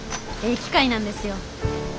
機械なんですよ。